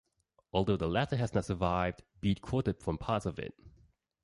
Although the letter has not survived, Bede quoted from parts of it.